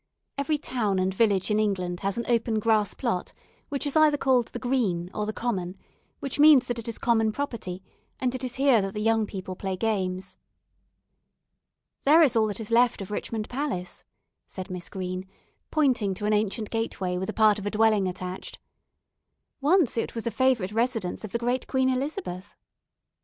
Every town and village in England has an open grass plot which is either called the "Green" or the "Common," which means that it is common property, and it is here that the young people play games. "There is all that is left of Richmond Palace," said Miss Green, pointing to an ancient gateway with a part of a dwelling attached. "Once it was a favourite residence of the great Queen Elizabeth.